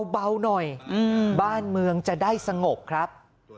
เบาหน่อยบ้านเมืองจะได้สงบครับ